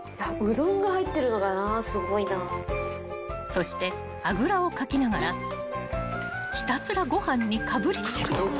［そしてあぐらをかきながらひたすらご飯にかぶりつく］